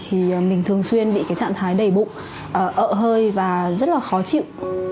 thì mình thường xuyên bị cái trạng thái đầy bụng ợ hơi và rất là khó chịu